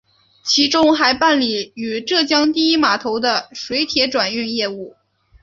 其中还办理与浙江第一码头的水铁转运业务。